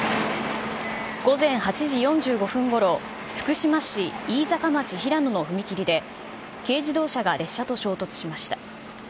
午前８時４５分ごろ、福島市飯坂町平野の踏切で、軽自動車が列車と衝突しました。